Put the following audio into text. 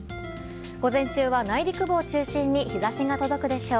午前中は内陸部を中心に日差しが届くでしょう。